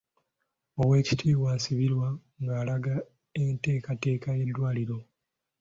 Owekitiibwa Nsibirwa ng'alaga enteekateeka y'eddwaliro.